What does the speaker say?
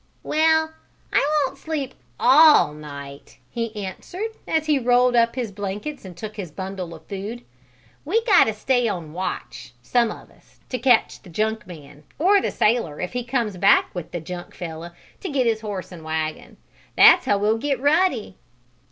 "Well, I won't sleep all night," he answered, as he rolled up his blankets and took his bundle of food. "We got to stay on watch, some of us, to catch the junk man, or the sailor, if he comes back with the junk fellow, to get his horse and wagon. That's how we'll get Ruddy."